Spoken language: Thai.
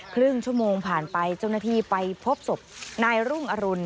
ครึ่งชั่วโมงผ่านไปเจ้าหน้าที่ไปพบศพนายรุ่งอรุณ